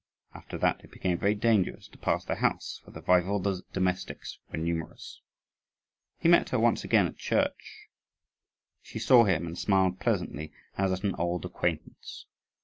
After that it became very dangerous to pass the house, for the Waiwode's domestics were numerous. He met her once again at church. She saw him, and smiled pleasantly, as at an old acquaintance.